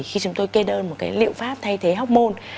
khi chúng tôi kê đơn một cái liệu pháp thay thế hóc môn